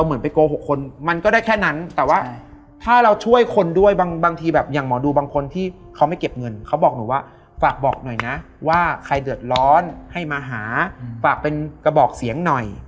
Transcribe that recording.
เหมือนกำลังจะพลิกตัวหันมาปึ้ง